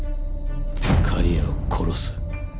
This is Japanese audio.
刈谷を殺す。